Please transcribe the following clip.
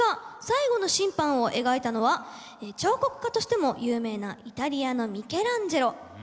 「最後の審判」を描いたのは彫刻家としても有名なイタリアのミケランジェロ。